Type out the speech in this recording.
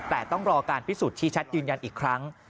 แต่ต้องรอการพิสูจนชี้ชัดยืนยันอีกครั้ง